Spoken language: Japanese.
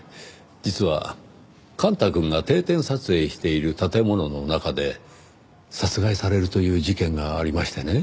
実は幹太くんが定点撮影している建物の中で殺害されるという事件がありましてね。